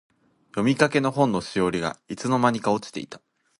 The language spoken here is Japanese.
読みかけの本のしおりが、いつの間にか落ちていた。